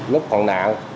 lúc còn nạn